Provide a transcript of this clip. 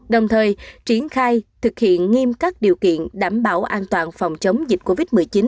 đồng thời triển khai thực hiện nghiêm các điều kiện đảm bảo an toàn phòng chống dịch covid một mươi chín